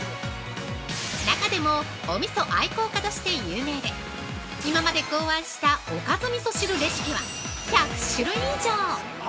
中でもおみそ愛好家として有名で今まで考案したおかずみそ汁レシピは１００種類以上。